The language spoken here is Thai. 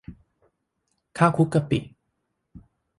ข้าวคลุกกะปิ